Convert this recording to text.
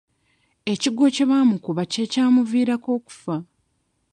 Ekigwo kye baamukuba kye kyamuviirako okufa.